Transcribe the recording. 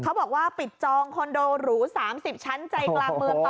เขาบอกว่าปิดจองคอนโดหรู๓๐ชั้นใจกลางเมืองต่อ